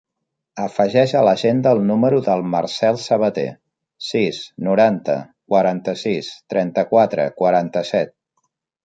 Afegeix a l'agenda el número del Marcel Sabater: sis, noranta, quaranta-sis, trenta-quatre, quaranta-set.